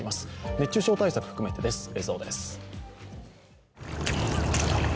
熱中症対策含めてです、映像です。